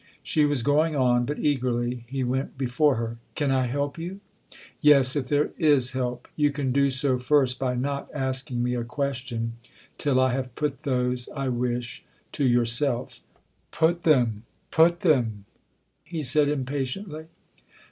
She was going on, but, eagerly, he went before her. " Can I help you ?"" Yes if there is help. You can do so first by not asking me a question till I have put those I wish to yourself." " Put them put them !" he said impatiently.